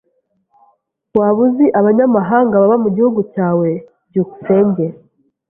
Waba uzi abanyamahanga baba mugihugu cyawe? byukusenge